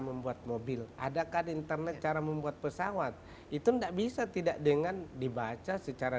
membuat mobil adakah internet cara membuat pesawat itu tidak bisa tidak dengan dibaca secara